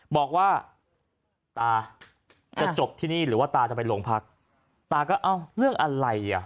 บอกว่าตาจะจบที่นี่หรือว่าตาจะไปโรงพักตาก็เอ้าเรื่องอะไรอ่ะ